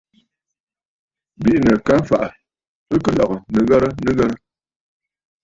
Bìʼinə̀ ka fàʼà, ɨ kɨ lɔ̀gə̀ nɨghərə nɨghərə.